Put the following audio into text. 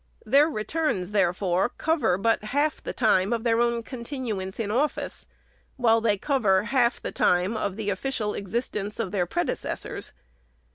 Their returns, therefore, cover but half the time of their own continuance in office, while they cover half the time of the official existence of their predecessors.